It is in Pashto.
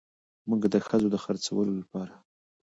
موږ د ښځو د خرڅولو لپاره